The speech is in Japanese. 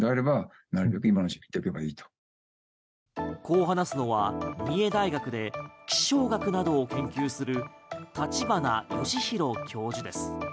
こう話すのは三重大学で気象学などを研究する立花義裕教授です。